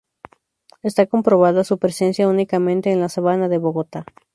Está comprobada su presencia únicamente en la Sabana de Bogotá.